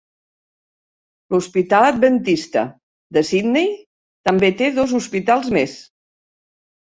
L'Hospital Adventista de Sydney també té dos hospitals més.